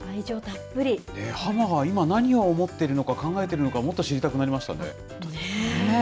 ハマが今、何を思っているのか、考えているのか、もっと知りたくなりました本当ですね。